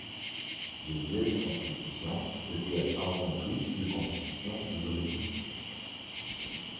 Les vieilles constitutions étaient avant tout des constitutions juridiques.